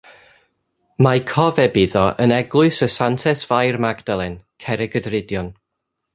Mae cofeb iddo yn Eglwys y Santes Fair Magdalen, Cerrigydrudion.